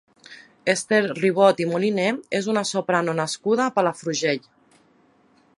Esther Ribot i Moliné és una soprano nascuda a Palafrugell.